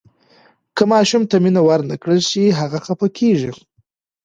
که ماشوم ته مینه ورنکړل شي، هغه خفه کیږي.